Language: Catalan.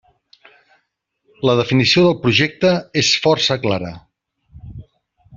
La definició del projecte és força clara.